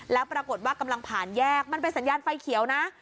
แล้วปรากฏว่ากำลังผ่านแยกมันเป็นสัญญาณไฟเขียวนะ